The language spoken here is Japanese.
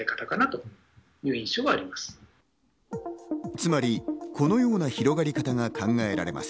つまり、この様な広がり方が考えられます。